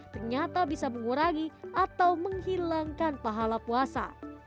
ternyata bisa mengurangi atau menghilangkan pahala puasa